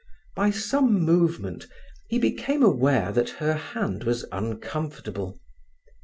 By some movement he became aware that her hand was uncomfortable.